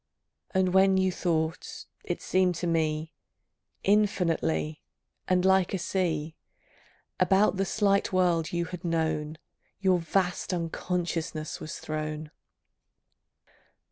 And when you thought, it seemed to me, Infinitely, and like a sea, About the slight world you had known Your vast unconsciousness was thrown....